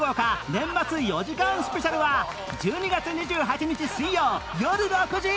年末４時間スペシャルは１２月２８日水曜よる６時